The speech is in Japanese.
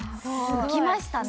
浮きましたね。